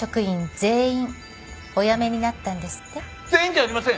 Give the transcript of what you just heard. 全員じゃありません！